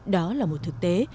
đó là một thực tế